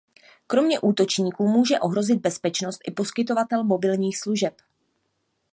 Kromě útočníků může ohrozit bezpečnost i poskytovatel mobilních služeb.